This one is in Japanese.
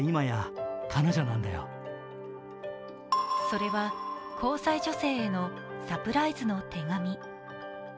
それは交際女性へのサプライズの手紙。